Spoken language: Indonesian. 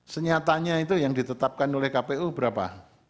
senyatanya itu yang ditetapkan oleh kpu berapa